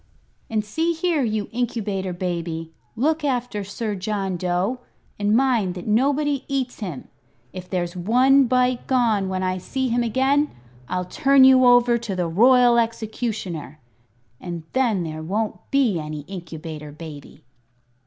And see here, you Incubator Baby, look after Sir John Dough, and mind that nobody eats him. If there's one bite gone when I see him again I'll turn you over to the Royal Executioner and then there won't be any Incubator Baby."